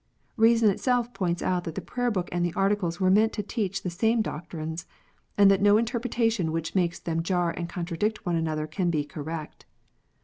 Reason itself points out that the Prayer book and Articles were meant to teach the same doctrines, and that no interpretation which makes them jar and contradict one another can be correct.